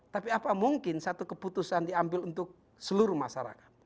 tapi apa mungkin satu keputusan diambil untuk seluruh masyarakat